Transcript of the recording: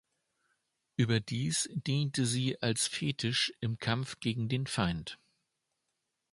Überdies diente sie als Fetisch im Kampf gegen den Feind.